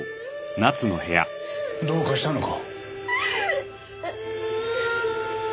どうかしたのか？